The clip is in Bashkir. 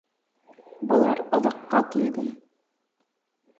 Былар оҙаҡҡа килде.